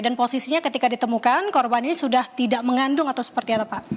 dan posisinya ketika ditemukan korban ini sudah tidak mengandung atau seperti apa pak